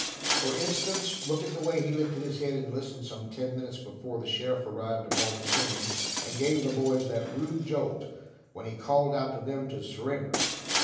For instance, look at the way he lifted his head to listen some ten minutes before the sheriff arrived upon the scene, and gave the boys that rude jolt when he called out to them to surrender.